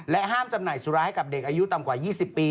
ห้ามจำหน่ายสุราให้กับเด็กอายุต่ำกว่า๒๐ปี